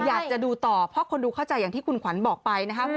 อยากจะดูต่อเพราะคนดูเข้าใจอย่างที่คุณขวัญบอกไปนะครับ